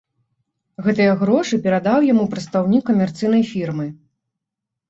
Гэтыя грошы перадаў яму прадстаўнік камерцыйнай фірмы.